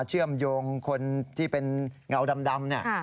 เชื่อมยงท์คนที่เป็นเงาดำเนี่ย